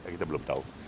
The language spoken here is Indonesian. kita belum tahu